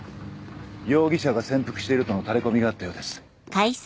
容疑者が潜伏しているとのタレコミがあったようです。